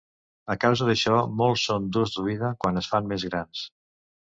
A causa d'això molts són durs d'oïda quan es fan més grans.